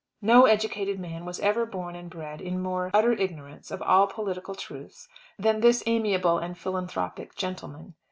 No educated man was ever born and bred in more utter ignorance of all political truths than this amiable and philanthropic gentleman.